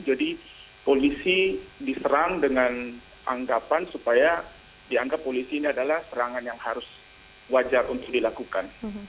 jadi polisi diserang dengan anggapan supaya dianggap polisi ini adalah serangan yang harus wajar untuk dilakukan